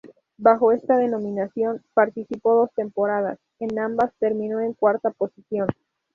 Bajo esta denominación, participó dos temporadas, en ambas terminó en cuarta posición.